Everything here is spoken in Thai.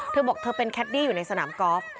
เธอบอกเธอเป็นแคดดี้อยู่ในสนามกอล์ฟ